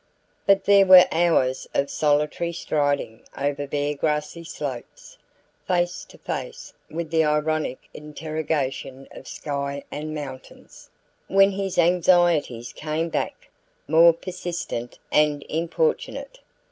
But there were hours of solitary striding over bare grassy slopes, face to face with the ironic interrogation of sky and mountains, when his anxieties came back, more persistent and importunate.